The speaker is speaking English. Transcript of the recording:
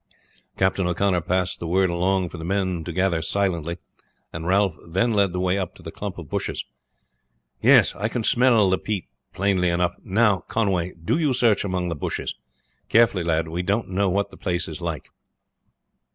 Captain O'Connor passed the word along for the men to gather silently, and Ralph then led the way up to the clump of bushes. "Yes, I can smell the peat plainly enough. Now, Conway, do you search among the bushes. Carefully, lad, we don't know what the place is like."